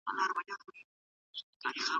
پايلې ورو ورو راڅرګندېږي.